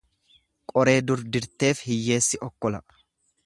Qoree dur dirteef hiyyeessi okkola.